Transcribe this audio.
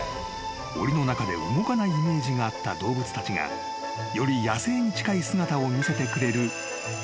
［おりの中で動かないイメージがあった動物たちがより野生に近い姿を見せてくれる］